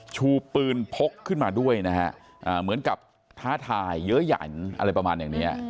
ชูปืนพกขึ้นมาด้วยนะฮะเหมือนกับท้าทายเยอะหยันอะไรประมาณอย่างนี้